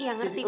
iya ngerti pak